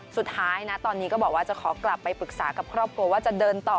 สุดท้ายนะตอนนี้ก็บอกว่าจะขอกลับไปปรึกษากับครอบครัวว่าจะเดินต่อ